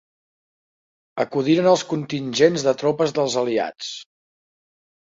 Acudiren els contingents de tropes dels aliats.